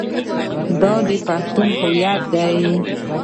دا د پښتنو هویت دی.